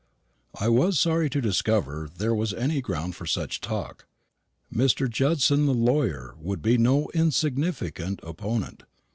I was sorry to discover there was any ground for such talk; Mr. Judson the lawyer would be no insignificant opponent.